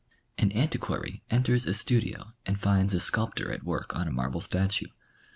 An antiquary enters a studio and finds a sculptor at work on a marble statue.